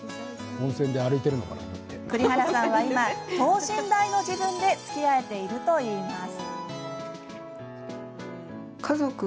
栗原さんは今、等身大の自分でつきあえているといいます。